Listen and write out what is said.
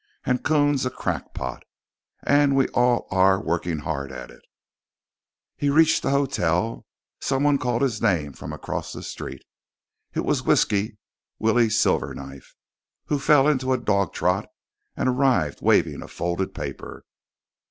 And Coons a crackpot. And we are all working hard at it._ As he reached the hotel, someone called his name from across the street. It was Whisky Willie Silverknife, who fell into a dog trot and arrived waving a folded paper.